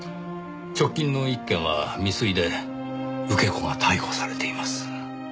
直近の１件は未遂で受け子が逮捕されています。